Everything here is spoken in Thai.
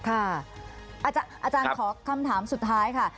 อาจารย์ขอคำถามสุดท้ายค่ะ